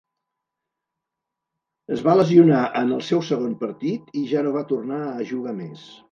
Es va lesionar en el seu segon partit i ja no va tornar a jugar més.